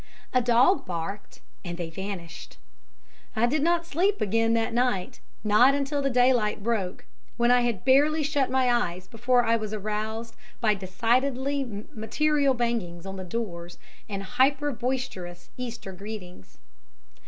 A dog barked, and they vanished. I did not sleep again that night, not until the daylight broke, when I had barely shut my eyes before I was aroused by decidedly material bangings on the doors and hyper boisterous Easter greetings.